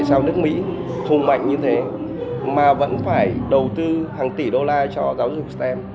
tại sao nước mỹ thung mạnh như thế mà vẫn phải đầu tư hàng tỷ đô la cho giáo dục stem